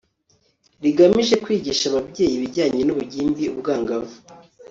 rigamije kwigisha ababyeyi ibijyanye n ubugimbi ubwangavu